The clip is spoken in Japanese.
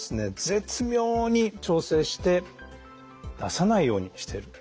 絶妙に調整して出さないようにしてる。